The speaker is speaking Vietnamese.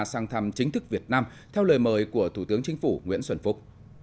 sang thăm chính thức việt nam theo lời mời của thủ tướng chính phủ nguyễn xuân phúc